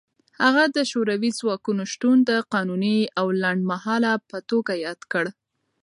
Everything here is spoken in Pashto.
هغه د شوروي ځواکونو شتون د قانوني او لنډمهاله په توګه یاد کړ.